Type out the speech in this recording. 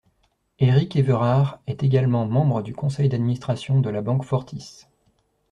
Éric Everard est également membre du conseil d'administration de la banque Fortis.